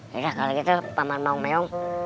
yaudah kalo gitu paman mau meong